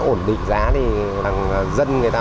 ổn định giá thì dân người ta